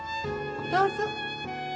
どうぞ。